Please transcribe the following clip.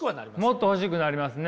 もっと欲しくなりますね。